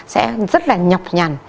sẽ rất là nhọc nhằn